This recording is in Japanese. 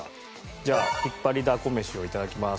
じゃあひっぱりだこ飯を頂きます。